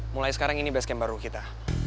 mulai sekarang ini basecamp baru kita